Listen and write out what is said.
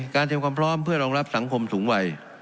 เตรียมความพร้อมเพื่อรองรับสังคมสูงวัย